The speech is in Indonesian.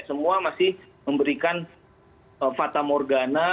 semua masih memberikan fata morgana